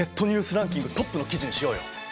ランキングトップの記事にしようよ！